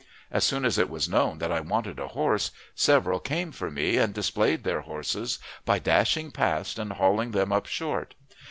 As soon as it was known that I wanted a horse, several came for me, and displayed their horses by dashing past and hauling them up short.